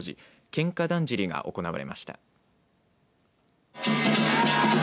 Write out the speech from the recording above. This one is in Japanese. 喧嘩だんじりが行われました。